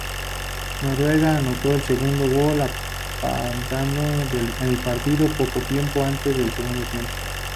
Noguera anotó el segundo gol empatando el partido poco tiempo antes del segundo tiempo.